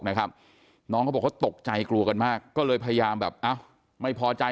นะครับน้องเขาบอกเขาตกใจกลัวกันมากก็เลยพยายามแบบอ้าวไม่พอใจ